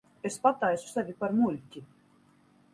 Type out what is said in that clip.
Es pataisu sevi par muļķi.